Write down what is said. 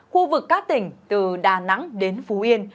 khu vực các tỉnh từ đà nẵng đến phú yên